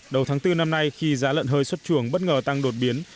đầu tháng bốn năm nay khi giá lợn hơi xuất chuồng bất ngờ tăng đột biến